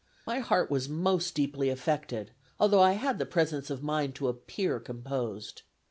My heart was most deeply affected, although I had the presence of mind to appear composed.